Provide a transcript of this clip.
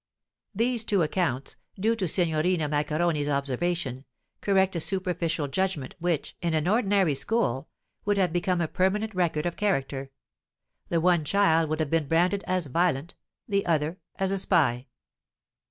These two accounts, due to Signorina Maccheroni's observation, correct a superficial judgment which, in an ordinary school, would have become a permanent record of character: the one child would have been branded as violent, the other as a spy.